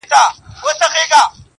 راسه دوې سترگي مي دواړي درله دركړم